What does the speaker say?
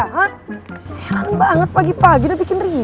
heran banget pagi pagi udah bikin ribut